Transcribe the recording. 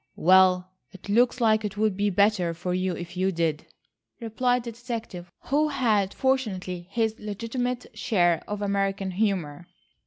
"Well, it looks like it would be better for you if you did," replied the detective, who had fortunately his legitimate share of American humour.